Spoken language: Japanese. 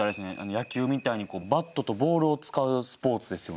野球みたいにバットとボールを使うスポーツですよね。